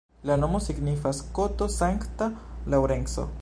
La nomo signifas koto-Sankta Laŭrenco.